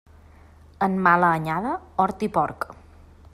En mala anyada, hort i porc.